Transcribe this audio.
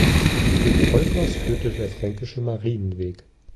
Durch Volkers führt der Fränkische Marienweg.